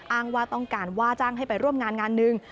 อ้างว่าต้องการว่าจ้างให้ไปร่วมงานงานหนึ่ง